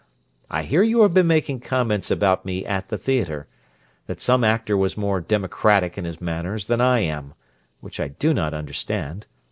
I hear you have been making comments about me at the theatre, that some actor was more democratic in his manners than I am, which I do not understand.